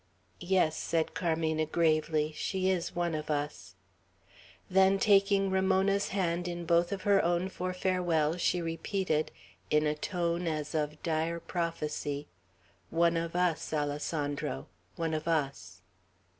"Yes," said Carmena, gravely, "she is one of us." Then, taking Ramona's hand in both of her own for farewell, she repeated, in a tone as of dire prophecy, "One of us, Alessandro! one of us!"